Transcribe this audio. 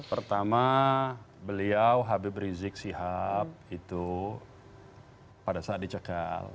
pertama beliau habib rizik sihab itu pada saat dicekal